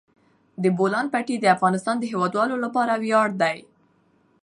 د بولان پټي د افغانستان د هیوادوالو لپاره ویاړ دی.